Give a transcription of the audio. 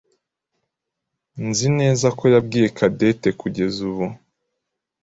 Nzi neza ko yabwiye Cadette kugeza ubu.